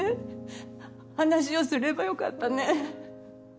話をすればよかったね。